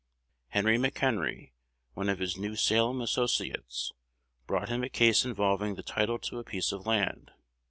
Henry McHenry, one of his New Salem associates, brought him a case involving the title to a piece of land.